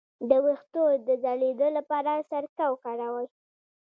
د ویښتو د ځلیدو لپاره سرکه وکاروئ